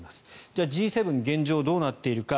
じゃあＧ７現状どうなっているか。